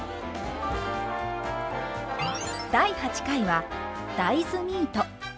第８回は大豆ミート。